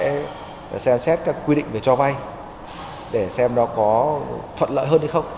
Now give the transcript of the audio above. sẽ xem xét các quy định về cho vay để xem nó có thuận lợi hơn hay không